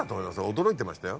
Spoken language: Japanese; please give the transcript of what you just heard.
驚いてましたよ。